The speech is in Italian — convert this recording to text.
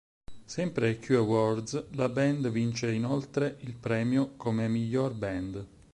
Sempre ai Q Awards, la band vince inoltre il premio come "Miglior band".